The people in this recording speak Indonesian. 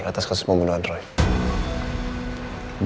atas kasus membunuh android